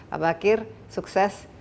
pak bakir sukses